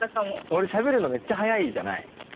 俺しゃべるのめっちゃ速いじゃない？